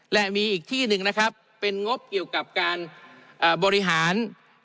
และมีอีกที่หนึ่งนะครับเป็นงบเกี่ยวกับการบริหาร